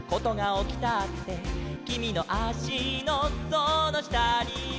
「きみのあしのそのしたには」